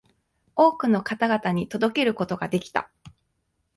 多くの方々に届けることができた